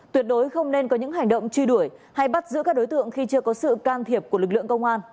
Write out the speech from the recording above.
tuyệt đối không nên có những hành động truy đuổi hay bắt giữ các đối tượng khi chưa có sự can thiệp của lực lượng công an